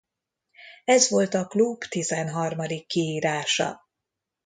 Ez volt a klub tizenharmadik kiírása.